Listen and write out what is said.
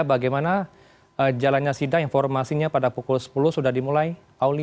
bagaimana jalannya sidang informasinya pada pukul sepuluh sudah dimulai auli